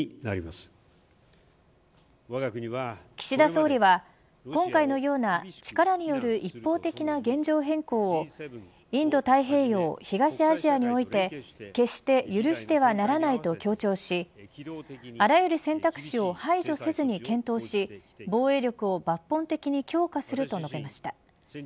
岸田総理は今回のような力による一方的な現状変更をインド太平洋、東アジアにおいて決して許してはならないと強調しあらゆる選択肢を排除せずに検討し防衛力を抜本的に強化すると述べました。